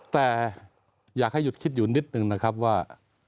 แต่อยากให้หยุดคิดอยู่นิดนึงนะครับว่า